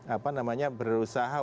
apa namanya berusaha